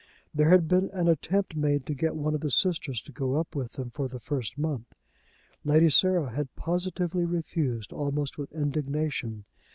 There had been an attempt made to get one of the sisters to go up with them for the first month. Lady Sarah had positively refused, almost with indignation.